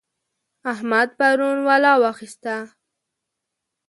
احمد پرون ولا واخيسته.